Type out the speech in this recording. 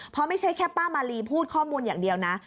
เพราะไม่ใช่แค่ป้ามาลีพูดข้อมูลอย่างเดียวนะ